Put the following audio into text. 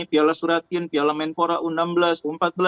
piala suratin piala menpora u enam belas u empat belas